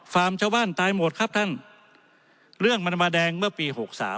ชาวบ้านตายหมดครับท่านเรื่องมันมาแดงเมื่อปี๖๓